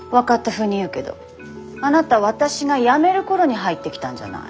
ふうに言うけどあなた私が辞める頃に入ってきたんじゃない。